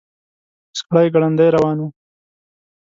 سړی ګړندي روان و.